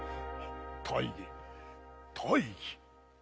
大義大義？